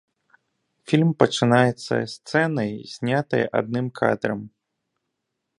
Фільм пачынаецца сцэнай, знятай адным кадрам.